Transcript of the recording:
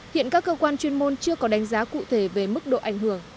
hiện các cơ quan chuyên môn chưa có đánh giá cụ thể về mức độ ảnh hưởng